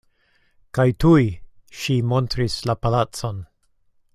Kaj tuj ŝi montris la palacon.